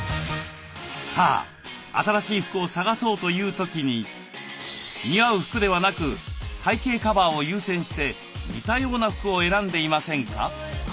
さあ新しい服を探そうという時に似合う服ではなく体型カバーを優先して似たような服を選んでいませんか？